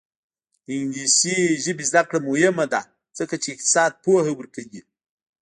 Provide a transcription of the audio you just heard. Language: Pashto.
د انګلیسي ژبې زده کړه مهمه ده ځکه چې اقتصاد پوهه ورکوي.